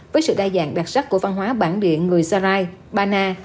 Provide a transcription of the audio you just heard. với sự đa dạng đặc sắc của văn hóa bản địa người sarai bana